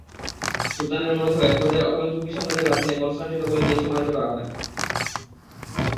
সুলতানের মরদেহ একপর্যায়ে অটোমান তুর্কি সাম্রাজ্যের রাজধানী কনস্টান্টিনোপলে নিয়ে সমাহিত করা হয়।